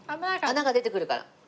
穴が出てくるから。